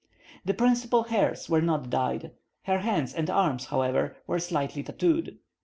The principal hairs were not dyed; her hands and arms, however, were slightly tattooed.